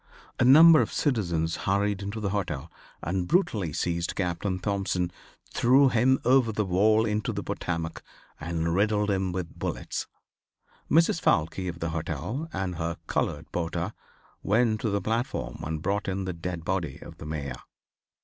A number of citizens hurried into the hotel and brutally seized Captain Thompson, threw him over the wall into the Potomac and riddled him with bullets. Mrs. Foulke of the hotel, and her colored porter, went to the platform and brought in the dead body of the Mayor.